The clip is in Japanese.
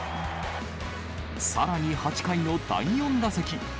さらに８回の第４打席。